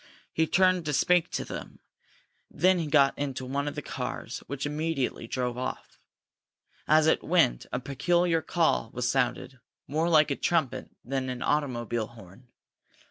He turned to speak to them, then got into one of the cars, which immediately drove off. As it went a peculiar call was sounded, more like a trumpet than an automobile horn.